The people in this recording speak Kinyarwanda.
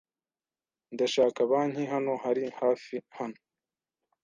Ndashaka banki. Hano hari hafi hano?